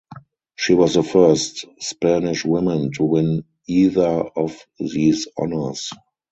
She was the first Spanish woman to win either of these honors.